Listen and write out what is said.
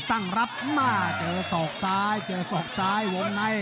ตั้งรับมาเจอศอกซ้ายเจอศอกซ้ายวงใน